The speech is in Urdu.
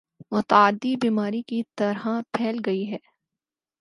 متعدی بیماری کی طرح پھیل گئی ہے